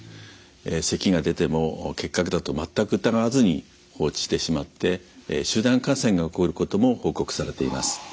せきが出ても結核だと全く疑わずに放置してしまって集団感染が起こることも報告されています。